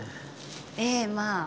ええまあ。